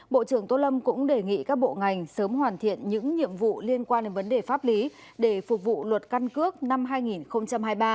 bộ trưởng tô lâm cũng đề nghị các bộ ngành sớm hoàn thiện những nhiệm vụ liên quan đến vấn đề pháp lý để phục vụ luật căn cước năm hai nghìn hai mươi ba